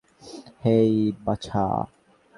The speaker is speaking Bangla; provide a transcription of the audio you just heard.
হেই, বাছা।